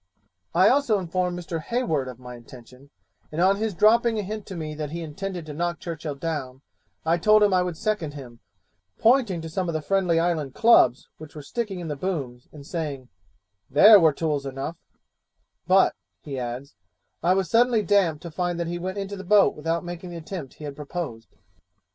'I also informed Mr. Hayward of my intention; and on his dropping a hint to me that he intended to knock Churchill down, I told him I would second him, pointing to some of the Friendly Island clubs which were sticking in the booms, and saying, "There were tools enough": but (he adds) 'I was suddenly damped to find that he went into the boat without making the attempt he had proposed.'